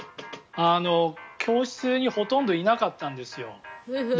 教室にほとんどいなかったんですよ。